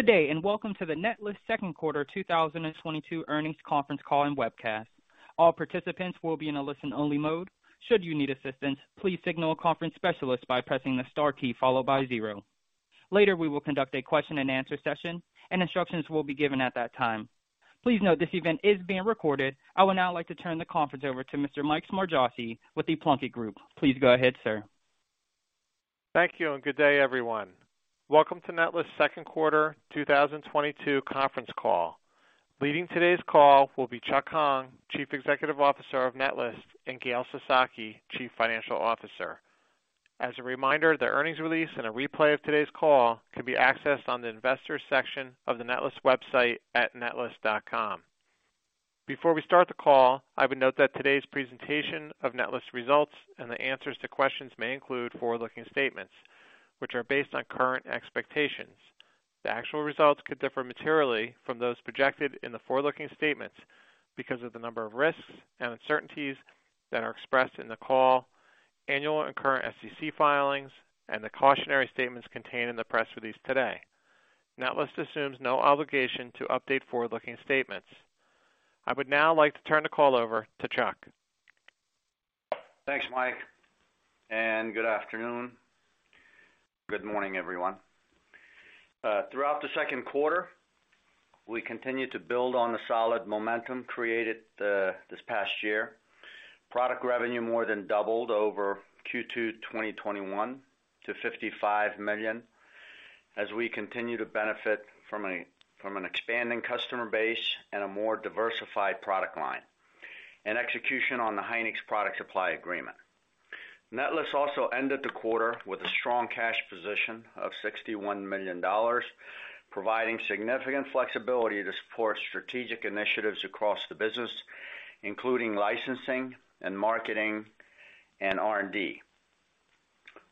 Good day, and welcome to the Netlist Second Quarter 2022 earnings conference call and webcast. All participants will be in a listen-only mode. Should you need assistance, please signal a conference specialist by pressing the star key followed by zero. Later, we will conduct a question-and-answer session and instructions will be given at that time. Please note this event is being recorded. I would now like to turn the conference over to Mr. Mike Smargiassi with The Plunkett Group. Please go ahead, sir. Thank you and good day, everyone. Welcome to Netlist's second quarter 2022 conference call. Leading today's call will be Chuck Hong, Chief Executive Officer of Netlist, and Gail Sasaki, Chief Financial Officer. As a reminder, the earnings release and a replay of today's call can be accessed on the Investors section of the Netlist website at netlist.com. Before we start the call, I would note that today's presentation of Netlist results and the answers to questions may include forward-looking statements, which are based on current expectations. The actual results could differ materially from those projected in the forward-looking statements because of the number of risks and uncertainties that are expressed in the call, annual and current SEC filings, and the cautionary statements contained in the press release today. Netlist assumes no obligation to update forward-looking statements. I would now like to turn the call over to Chuck. Thanks, Mike, and good afternoon. Good morning, everyone. Throughout the second quarter, we continued to build on the solid momentum created this past year. Product revenue more than doubled over Q2 2021 to $55 million as we continue to benefit from an expanding customer base and a more diversified product line, and execution on the Hynix product supply agreement. Netlist also ended the quarter with a strong cash position of $61 million, providing significant flexibility to support strategic initiatives across the business, including licensing and marketing and R&D.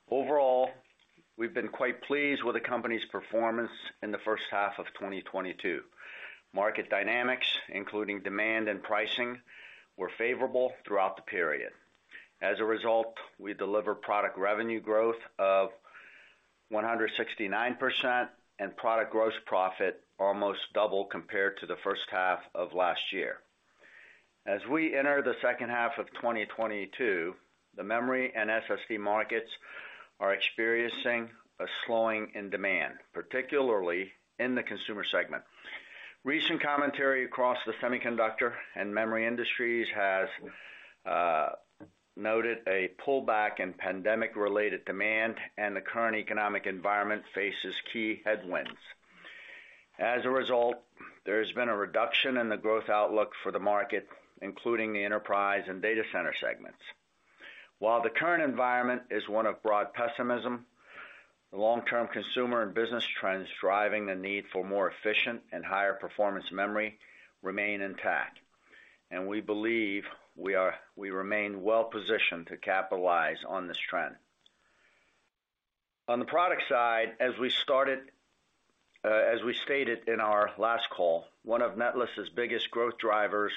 Overall, we've been quite pleased with the company's performance in the first half of 2022. Market dynamics, including demand and pricing, were favorable throughout the period. As a result, we delivered product revenue growth of 169% and product gross profit almost double compared to the first half of last year. As we enter the second half of 2022, the memory and SSD markets are experiencing a slowing in demand, particularly in the consumer segment. Recent commentary across the semiconductor and memory industries has noted a pullback in pandemic-related demand, and the current economic environment faces key headwinds. As a result, there has been a reduction in the growth outlook for the market, including the enterprise and data center segments. While the current environment is one of broad pessimism, the long-term consumer and business trends driving the need for more efficient and higher performance memory remain intact, and we believe we remain well-positioned to capitalize on this trend. On the product side, as we stated in our last call, one of Netlist's biggest growth drivers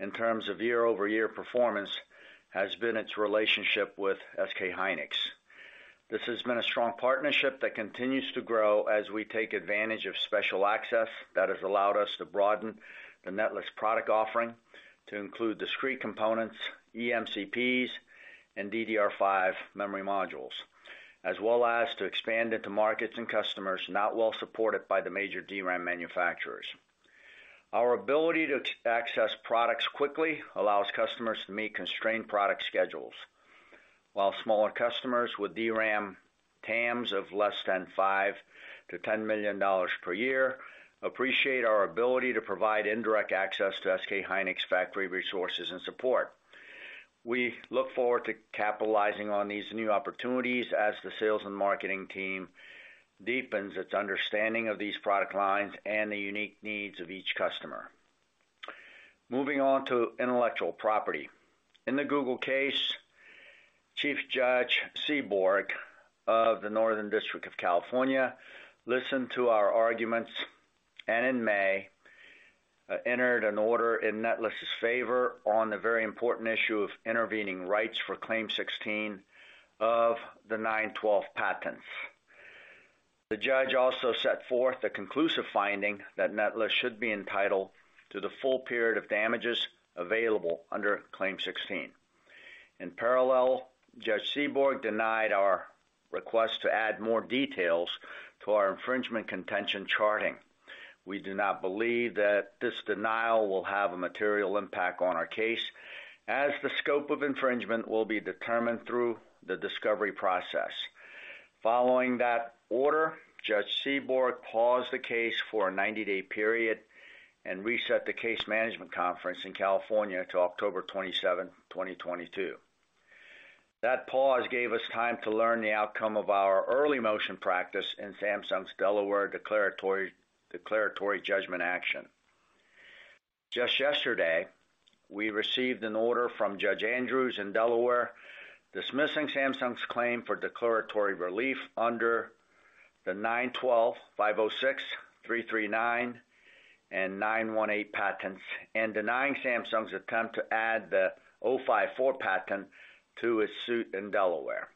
in terms of year-over-year performance has been its relationship with SK hynix. This has been a strong partnership that continues to grow as we take advantage of special access that has allowed us to broaden the Netlist product offering to include discrete components, EMCPs, and DDR5 memory modules, as well as to expand into markets and customers not well supported by the major DRAM manufacturers. Our ability to access products quickly allows customers to meet constrained product schedules. While smaller customers with DRAM TAMs of less than $5 million-$10 million per year appreciate our ability to provide indirect access to SK hynix factory resources and support. We look forward to capitalizing on these new opportunities as the sales and marketing team deepens its understanding of these product lines and the unique needs of each customer. Moving on to intellectual property. In the Google case, Chief Judge Seeborg of the Northern District of California listened to our arguments, and in May entered an order in Netlist's favor on the very important issue of intervening rights for Claim 16 of the '912 patent. The judge also set forth a conclusive finding that Netlist should be entitled to the full period of damages available under Claim 16. In parallel, Judge Seeborg denied our request to add more details to our infringement contention charting. We do not believe that this denial will have a material impact on our case, as the scope of infringement will be determined through the discovery process. Following that order, Judge Seeborg paused the case for a 90-day period and reset the case management conference in California to October 27th, 2022. That pause gave us time to learn the outcome of our early motion practice in Samsung's Delaware declaratory judgment action. Just yesterday, we received an order from Judge Andrews in Delaware dismissing Samsung's claim for declaratory relief under the 912, 506, 339, and 918 patents and denying Samsung's attempt to add the 054 patent to its suit in Delaware.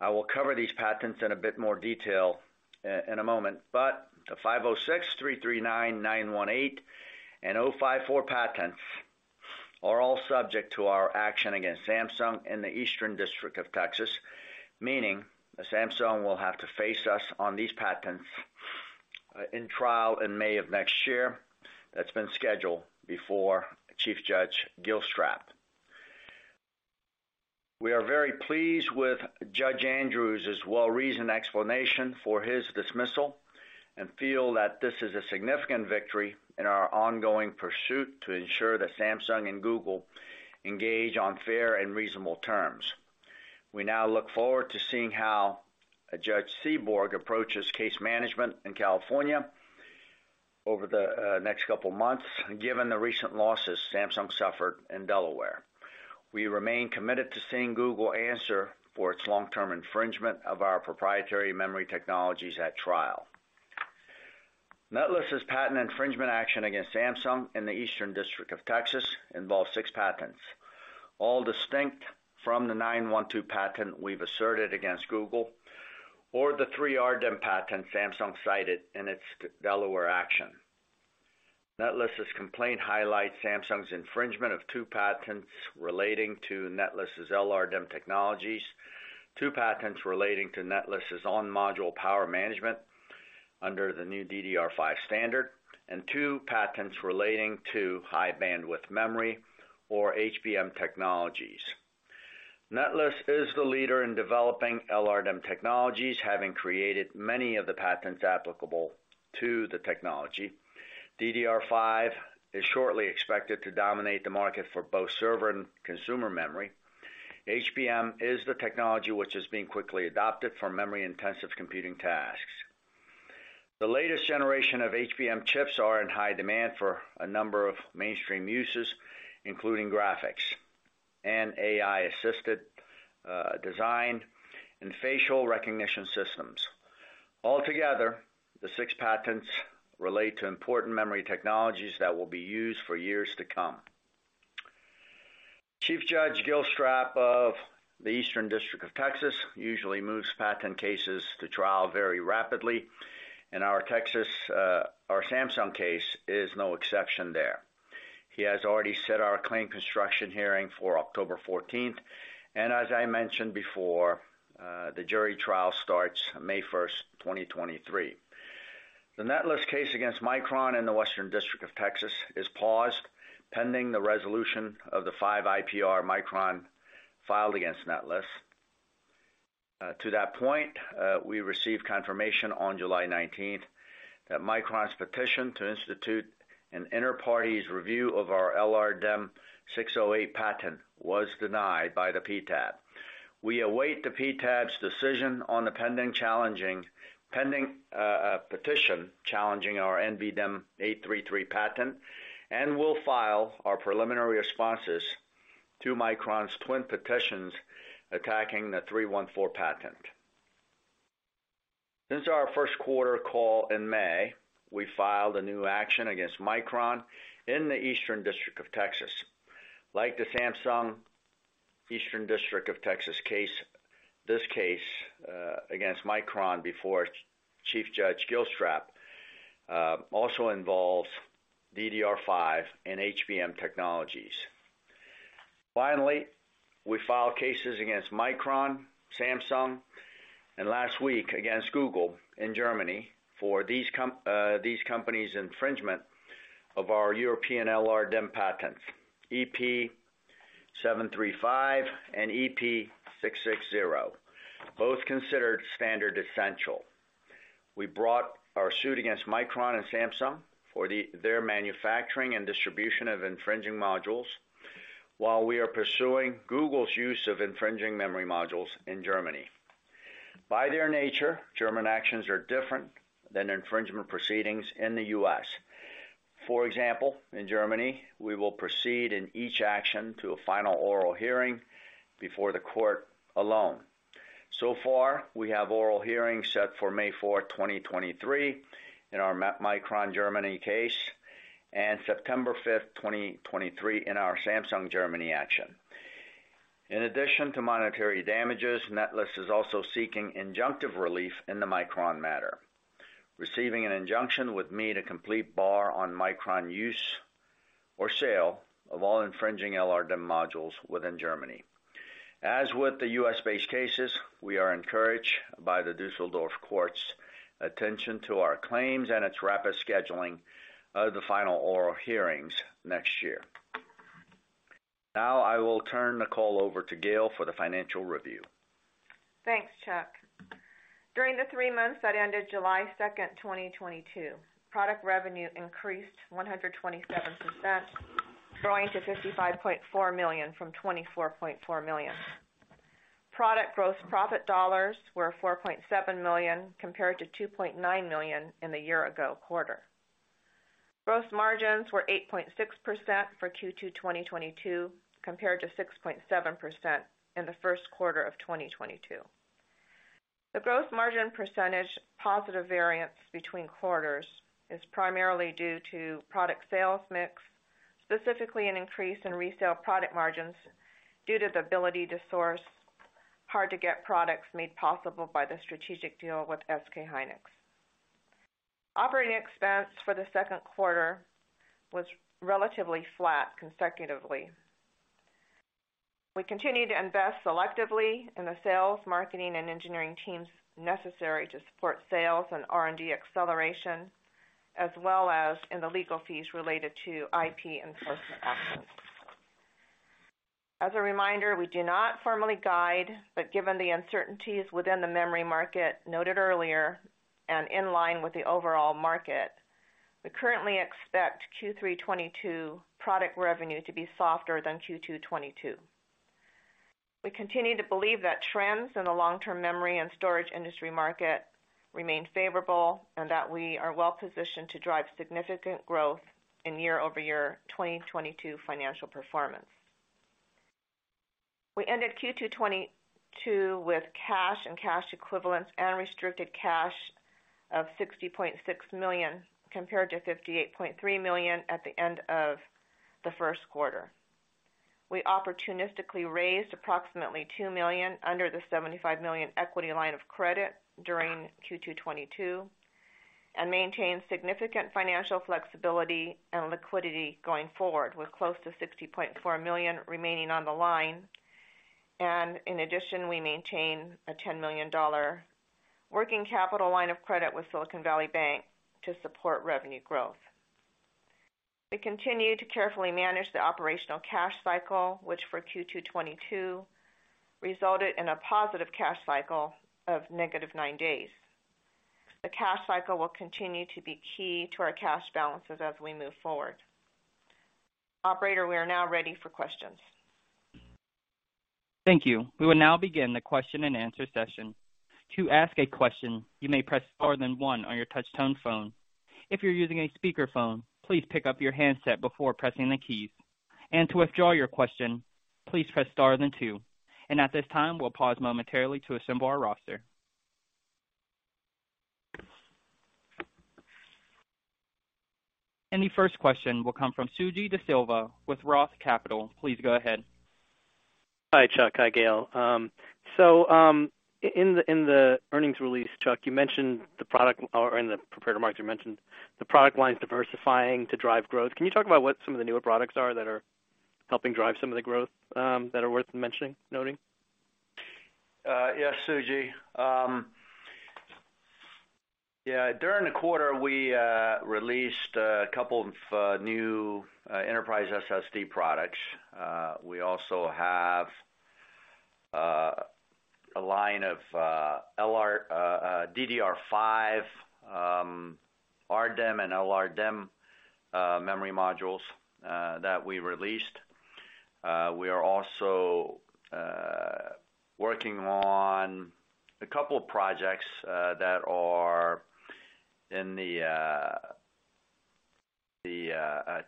I will cover these patents in a bit more detail in a moment, but the 506, 339, 918, and 054 patents are all subject to our action against Samsung in the Eastern District of Texas, meaning that Samsung will have to face us on these patents in trial in May of next year. That's been scheduled before Chief Judge Gilstrap. We are very pleased with Judge Andrews' well-reasoned explanation for his dismissal, and feel that this is a significant victory in our ongoing pursuit to ensure that Samsung and Google engage on fair and reasonable terms. We now look forward to seeing how Judge Seeborg approaches case management in California over the next couple of months, given the recent losses Samsung suffered in Delaware. We remain committed to seeing Google answer for its long-term infringement of our proprietary memory technologies at trial. Netlist's patent infringement action against Samsung in the Eastern District of Texas involves six patents, all distinct from the nine-one-two patent we've asserted against Google or the three RDIMM patents Samsung cited in its Texas-Delaware action. Netlist's complaint highlights Samsung's infringement of two patents relating to Netlist's LRDIMM technologies, two patents relating to Netlist's on-module power management under the new DDR5 standard, and two patents relating to high-bandwidth memory or HBM technologies. Netlist is the leader in developing LRDIMM technologies, having created many of the patents applicable to the technology. DDR5 is shortly expected to dominate the market for both server and consumer memory. HBM is the technology which is being quickly adopted for memory-intensive computing tasks. The latest generation of HBM chips are in high demand for a number of mainstream uses, including graphics and AI-assisted, design and facial recognition systems. Altogether, the six patents relate to important memory technologies that will be used for years to come. Chief Judge Gilstrap of the Eastern District of Texas usually moves patent cases to trial very rapidly, and our Texas, our Samsung case is no exception there. He has already set our claim construction hearing for October 14th, and as I mentioned before, the jury trial starts May 1st, 2023. The Netlist case against Micron in the Western District of Texas is paused, pending the resolution of the five IPR Micron filed against Netlist. To that point, we received confirmation on July 19th that Micron's petition to institute an inter partes review of our LRDIMM 608 patent was denied by the PTAB. We await the PTAB's decision on the pending petition challenging our NVDIMM 833 patent, and we'll file our preliminary responses to Micron's twin petitions attacking the 314 patent. Since our first quarter call in May, we filed a new action against Micron in the Eastern District of Texas. Like the Samsung Eastern District of Texas case, this case against Micron before Chief Judge Gilstrap also involves DDR5 and HBM technologies. Finally, we filed cases against Micron, Samsung, and last week against Google in Germany for these companies' infringement of our European LRDIMM patents, EP 735 and EP 660, both considered standard-essential. We brought our suit against Micron and Samsung for their manufacturing and distribution of infringing modules, while we are pursuing Google's use of infringing memory modules in Germany. By their nature, German actions are different than infringement proceedings in the U.S. For example, in Germany, we will proceed in each action to a final oral hearing before the court alone. So far, we have oral hearing set for May 4th, 2023 in our Micron Germany case and September 5th, 2023 in our Samsung Germany action. In addition to monetary damages, Netlist is also seeking injunctive relief in the Micron matter. Receiving an injunction would mean a complete bar on Micron use or sale of all infringing LRDIMM modules within Germany. As with the U.S.-based cases, we are encouraged by the Düsseldorf court's attention to our claims and its rapid scheduling of the final oral hearings next year. Now I will turn the call over to Gail for the financial review. Thanks, Chuck. During the three months that ended July 2nd, 2022, product revenue increased 127%, growing to $55.4 million from $24.4 million. Product gross profit dollars were $4.7 million, compared to $2.9 million in the year ago quarter. Gross margins were 8.6% for Q2 2022, compared to 6.7% in the first quarter of 2022. The gross margin percentage positive variance between quarters is primarily due to product sales mix, specifically an increase in resale product margins due to the ability to source hard-to-get products made possible by the strategic deal with SK hynix. Operating expense for the second quarter was relatively flat consecutively. We continue to invest selectively in the sales, marketing, and engineering teams necessary to support sales and R&D acceleration, as well as in the legal fees related to IP enforcement actions. As a reminder, we do not formally guide, but given the uncertainties within the memory market noted earlier and in line with the overall market, we currently expect Q3 2022 product revenue to be softer than Q2 2022. We continue to believe that trends in the long-term memory and storage industry market remain favorable and that we are well-positioned to drive significant growth in year-over-year 2022 financial performance. We ended Q2 2022 with cash and cash equivalents and restricted cash of $60.6 million, compared to $58.3 million at the end of the first quarter. We opportunistically raised approximately $2 million under the $75 million equity line of credit during Q2 2022 and maintain significant financial flexibility and liquidity going forward, with close to $60.4 million remaining on the line. In addition, we maintain a $10 million working capital line of credit with Silicon Valley Bank to support revenue growth. We continue to carefully manage the operational cash cycle, which for Q2 2022 resulted in a positive cash cycle of negative nine days. The cash cycle will continue to be key to our cash balances as we move forward. Operator, we are now ready for questions. Thank you. We will now begin the question-and-answer session. To ask a question, you may press star then one on your touch tone phone. If you're using a speakerphone, please pick up your handset before pressing the keys. To withdraw your question, please press star then two. At this time, we'll pause momentarily to assemble our roster. The first question will come from Suji Desilva with Roth Capital Partners. Please go ahead. Hi, Chuck. Hi, Gail. In the earnings release, Chuck, you mentioned the product, or in the prepared remarks, you mentioned the product line is diversifying to drive growth. Can you talk about what some of the newer products are that are helping drive some of the growth, that are worth mentioning, noting? Yes, Suji. Yeah, during the quarter, we released a couple of new enterprise SSD products. We also have a line of DDR5 RDIMM and LRDIMM memory modules that we released. We are also working on a couple of projects that are in the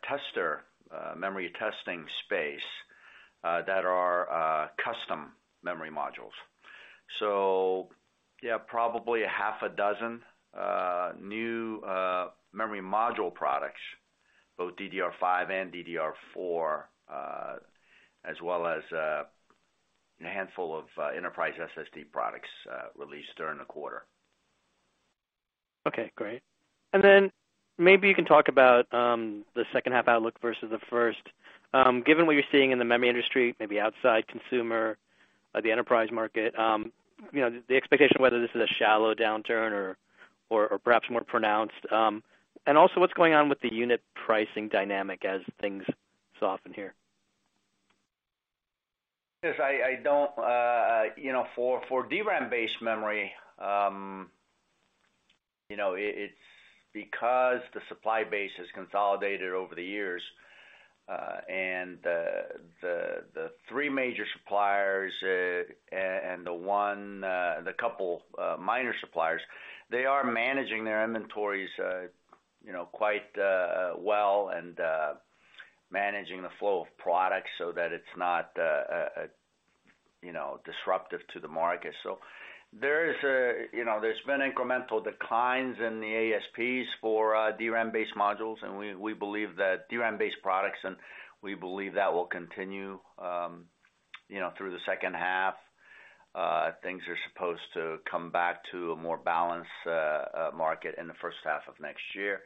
tester memory testing space that are custom memory modules. Yeah, probably half a dozen new memory module products, both DDR5 and DDR4, as well as a handful of enterprise SSD products released during the quarter. Okay, great. Then maybe you can talk about the second half outlook versus the first. Given what you're seeing in the memory industry, maybe outside consumer or the enterprise market, you know, the expectation of whether this is a shallow downturn or perhaps more pronounced, and also what's going on with the unit pricing dynamic as things soften here? Yes, you know, for DRAM-based memory, it's because the supply base has consolidated over the years, and the three major suppliers and the one the couple minor suppliers, they are managing their inventories, you know, quite well and managing the flow of products so that it's not you know disruptive to the market. There's been incremental declines in the ASPs for DRAM-based modules, and we believe that DRAM-based products, and we believe that will continue through the second half. Things are supposed to come back to a more balanced market in the first half of next year.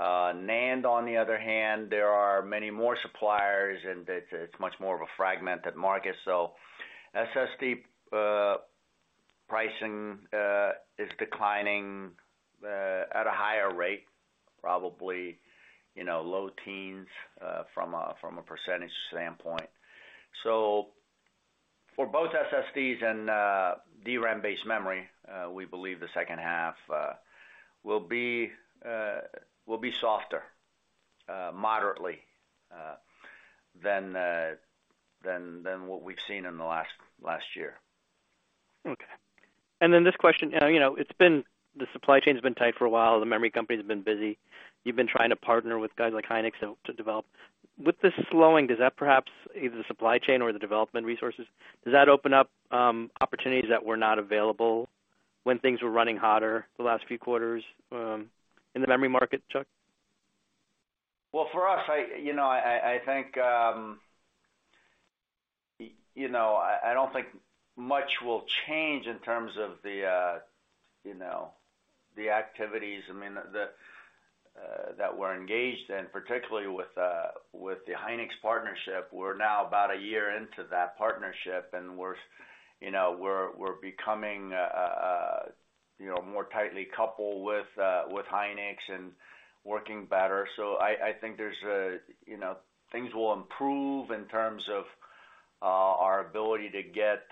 NAND on the other hand, there are many more suppliers and it's much more of a fragmented market. SSD pricing is declining at a higher rate, probably, you know, low teens% from a percentage standpoint. For both SSDs and DRAM-based memory, we believe the second half will be softer moderately than what we've seen in the last year. Okay. This question, you know, it's been the supply chain has been tight for a while. The memory company has been busy. You've been trying to partner with guys like hynix to develop. With this slowing, does that perhaps either the supply chain or the development resources, does that open up opportunities that were not available when things were running hotter the last few quarters in the memory market, Chuck? Well, for us, you know, I think you know, I don't think much will change in terms of the, you know, the activities. I mean, that we're engaged in, particularly with the Hynix partnership. We're now about a year into that partnership, and you know, we're becoming more tightly coupled with hynix and working better. I think you know, things will improve in terms of our ability to get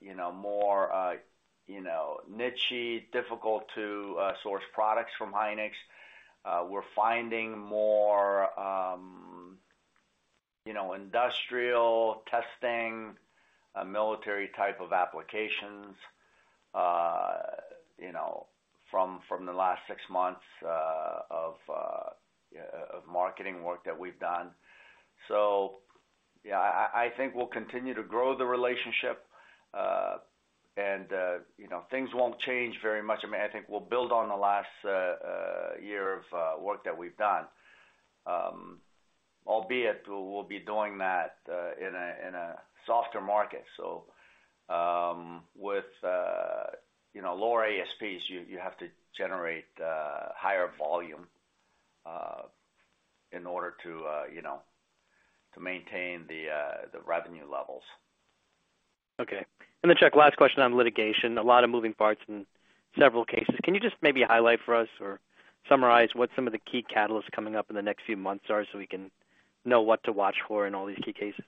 you know, more you know, niche-y, difficult to source products from Hynix. We're finding more, you know, industrial testing, military type of applications, you know, from the last six months of marketing work that we've done. Yeah, I think we'll continue to grow the relationship, and you know, things won't change very much. I mean, I think we'll build on the last year of work that we've done. Albeit we'll be doing that in a softer market. With you know, lower ASPs, you have to generate higher volume in order to you know, to maintain the revenue levels. Okay. Chuck, last question on litigation. A lot of moving parts in several cases. Can you just maybe highlight for us or summarize what some of the key catalysts coming up in the next few months are so we can know what to watch for in all these key cases?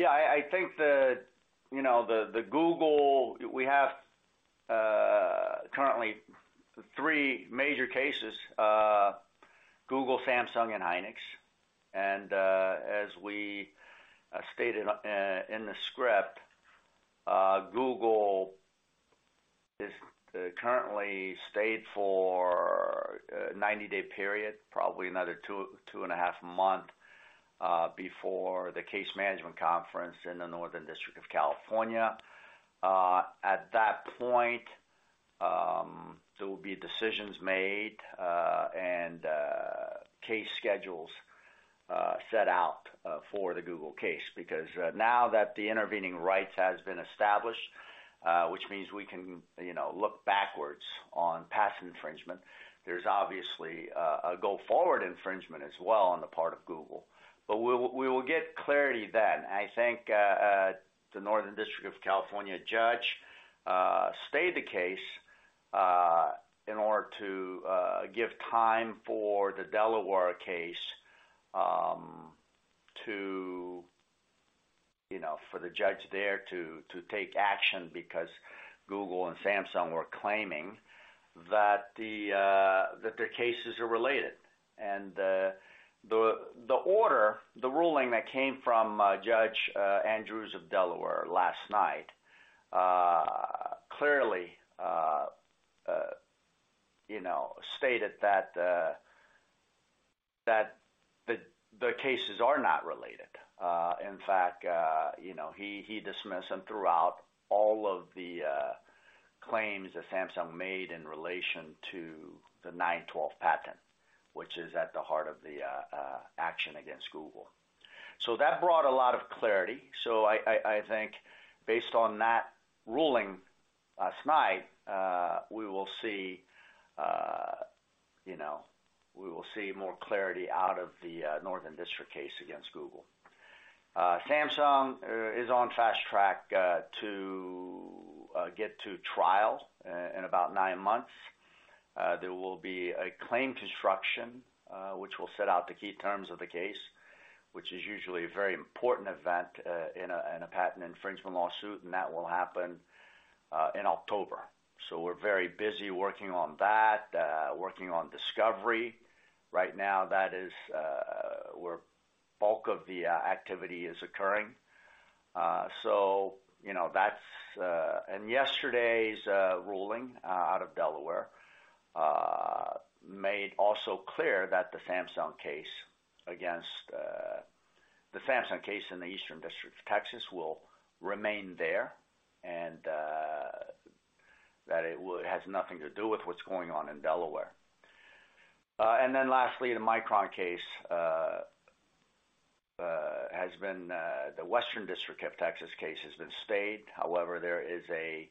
I think you know the Google. We have currently three major cases, Google, Samsung and hynix. As we stated in the script, Google is currently stayed for a 90-day period, probably another 2.5 months before the case management conference in the Northern District of California. At that point, there will be decisions made, and case schedules set out for the Google case, because now that the intervening rights has been established, which means we can you know look backwards on past infringement, there's obviously a go-forward infringement as well on the part of Google. We'll get clarity then. I think the Northern District of California judge stayed the case in order to give time for the Delaware case, you know, for the judge there to take action because Google and Samsung were claiming that the cases are related. The order, the ruling that came from Judge Andrews of Delaware last night clearly, you know, stated that the cases are not related. In fact, you know, he dismissed and threw out all of the claims that Samsung made in relation to the '912 patent, which is at the heart of the action against Google. That brought a lot of clarity. I think based on that ruling last night, we will see, you know, we will see more clarity out of the Northern District case against Google. Samsung is on fast track to get to trial in about nine months. There will be a claim construction, which will set out the key terms of the case, which is usually a very important event in a patent infringement lawsuit, and that will happen in October. We're very busy working on that, working on discovery. Right now, that is where the bulk of the activity is occurring. You know, that's. Yesterday's ruling out of Delaware made also clear that the Samsung case in the Eastern District of Texas will remain there, and that it has nothing to do with what's going on in Delaware. Then lastly, the Micron case, the Western District of Texas case, has been stayed. However, there is a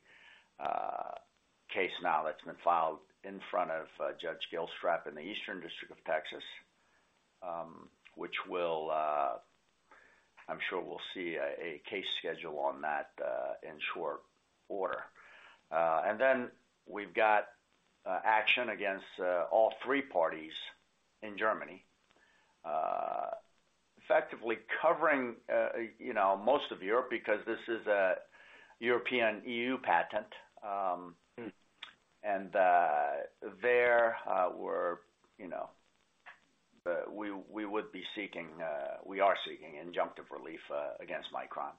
case now that's been filed in front of Judge Gilstrap in the Eastern District of Texas, which will, I'm sure we'll see a case schedule on that, in short order. Then we've got action against all three parties in Germany, effectively covering you know most of Europe, because this is a European EU patent. We are seeking injunctive relief against Micron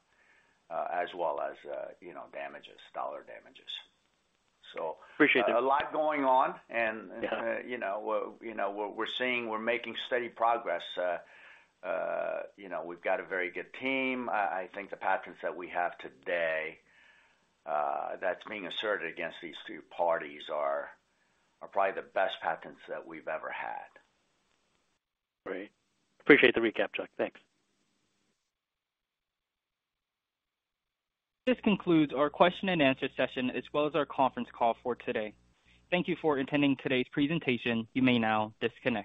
as well as, you know, damages, dollar damages. Appreciate that. A lot going on. Yeah. You know, we're making steady progress. You know, we've got a very good team. I think the patents that we have today, that's being asserted against these two parties are probably the best patents that we've ever had. Great. Appreciate the recap, Chuck. Thanks. This concludes our question and answer session, as well as our conference call for today. Thank you for attending today's presentation. You may now disconnect.